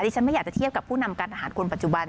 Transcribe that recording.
ฉันไม่อยากจะเทียบกับผู้นำการทหารคนปัจจุบัน